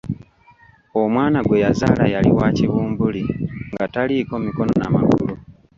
Omwana gwe yazaala yali wa kibumbuli nga taliiko mikono na magulu.